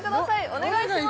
お願いします